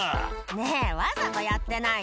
「ねぇわざとやってない？」